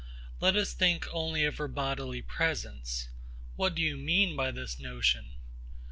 Let us think only of her bodily presence. What do you mean by this notion?